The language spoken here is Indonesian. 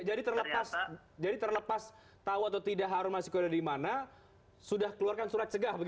jadi terlepas jadi terlepas tahu atau tidak harun masyukur ada di mana sudah keluarkan surat cegah begitu